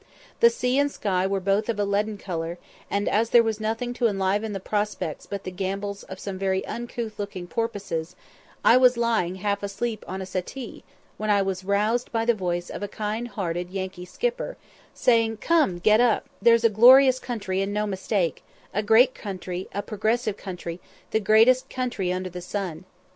The sea and sky were both of a leaden colour; and as there was nothing to enliven the prospect but the gambols of some very uncouth looking porpoises, I was lying half asleep on a settee, when I was roused by the voice of a kind hearted Yankee skipper, saying, "Come, get up; there's a glorious country and no mistake; a great country, a progressive country, the greatest country under the sun."